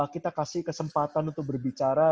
kita kasih kesempatan untuk berbicara